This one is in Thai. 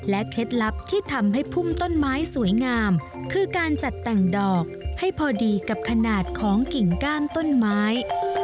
เคล็ดลับที่ทำให้พุ่มต้นไม้สวยงามคือการจัดแต่งดอกให้พอดีกับขนาดของกิ่งก้านต้นไม้